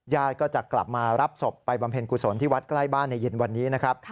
ก็จะกลับมารับศพไปบำเพ็ญกุศลที่วัดใกล้บ้านในเย็นวันนี้นะครับ